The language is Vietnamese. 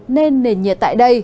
nên nền nhiệt tại đây